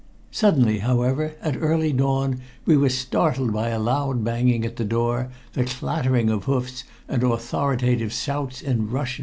Suddenly, however, at early dawn, we were startled by a loud banging at the door, the clattering of hoofs, and authoritative shouts in Russian.